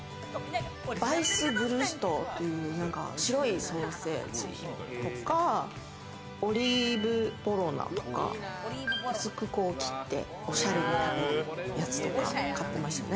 バイスヴルストという白いソーセージとか、オリーブボロナとか、薄く切っておしゃれに食べるやつとか買ってましたね。